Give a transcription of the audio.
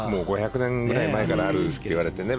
５００年ぐらい前からあるといわれててね。